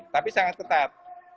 tapi sangat tetap